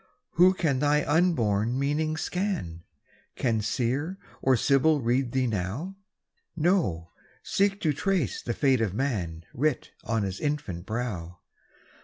Who can thy unborn meaning scan? Can Seer or Sibyl read thee now? No, seek to trace the fate of man Writ on his infant brow.